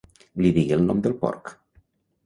Li digué el nom del porc.